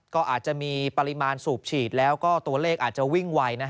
ก็อาจจะมีปริมาณสูบฉีดแล้วก็ตัวเลขอาจจะวิ่งไว